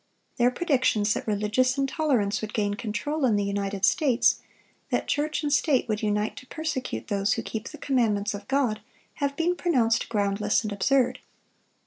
Their predictions that religious intolerance would gain control in the United States, that church and state would unite to persecute those who keep the commandments of God, have been pronounced groundless and absurd.